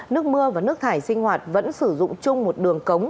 nước mưa và nước thải sinh hoạt vẫn sử dụng chung một đường cống